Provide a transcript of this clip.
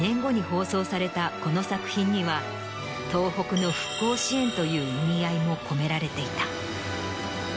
放送されたこの作品には東北の復興支援という意味合いも込められていた。